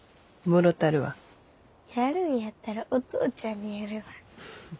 やるんやったらお父ちゃんにやるわ。